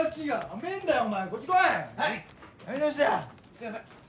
すみません！